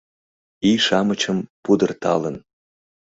Ий-шамычым пудырталын